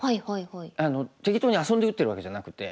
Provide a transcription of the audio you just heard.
適当に遊んで打ってるわけじゃなくて。